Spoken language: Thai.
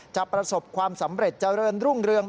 ประสบความสำเร็จเจริญรุ่งเรือง